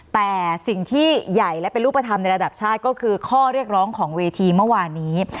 แต่สิ่งที่ใหญ่และเป็นรูปธรรมในระดับชาติก็คือข้อเรียกร้องของเวทีเมื่อวานนี้